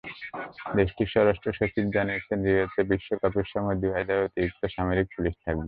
দেশটির স্বরাষ্ট্রসচিব জানিয়েছেন, রিওতে বিশ্বকাপের সময় দুই হাজার অতিরিক্ত সামরিক পুলিশ থাকবে।